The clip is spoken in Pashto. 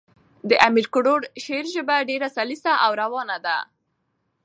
د امیر کروړ شعر ژبه ډېره سلیسه او روانه ده.